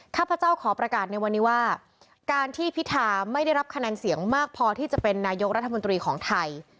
ข้าพเจ้าขอประกาศในวันนี้ว่าการที่พิธาไม่ได้รับคะแนนเสียงมากพอที่จะเป็นนายกรัฐมนตรีของไทย